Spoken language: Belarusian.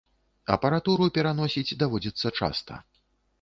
Апаратуру пераносіць даводзіцца часта.